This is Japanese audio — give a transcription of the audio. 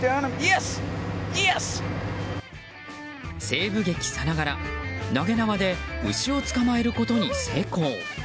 西部劇さながら、投げ縄で牛を捕まえることに成功。